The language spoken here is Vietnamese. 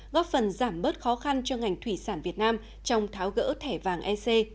góp phần giảm bớt khó khăn cho ngành thủy sản việt nam trong tháo gỡ thẻ vàng ec